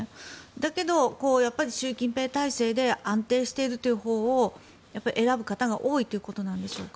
だけど、習近平体制で安定しているというほうを選ぶ方が多いということでしょうか？